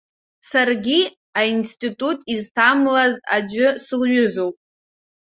Саргьы аинститут изҭамлаз аӡәы сылҩызоуп.